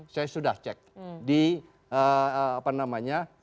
saya sudah cek di apa namanya